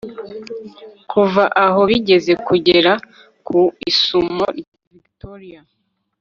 kuva aho bigeze kugera ku isumo rya victoria